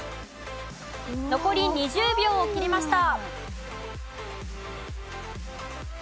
残り２０秒を切りました。